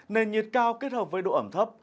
nền nhiệt cao kết hợp với độ ẩm thấp